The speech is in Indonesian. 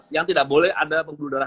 yang tidak boleh ada pembuluh darah